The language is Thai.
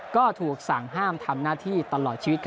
ก็ถูกสั่งห้ามทำหน้าที่ตลอดชีวิต